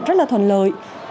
rất là thuận lợi